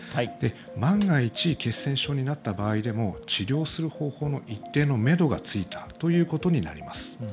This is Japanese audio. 万が一、血栓症になった場合でも治療する方法の一定のめどがついたということになります。